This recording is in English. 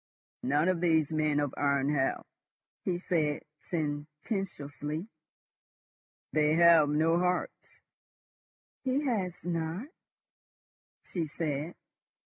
"None of these men of iron have," he said sententiously. "They have no hearts." "He has not," she said.